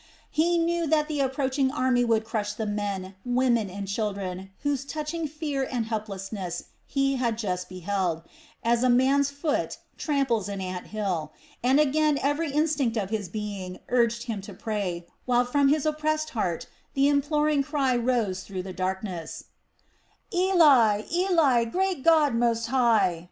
He knew that the approaching army would crush the men, women, and children whose touching fear and helplessness he had just beheld, as a man's foot tramples on an ant bill, and again every instinct of his being urged him to pray, while from his oppressed heart the imploring cry rose through the darkness: "Eli, Eli, great God most high!